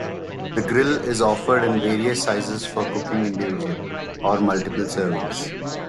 The grill is offered in various sizes for cooking individual or multiple servings.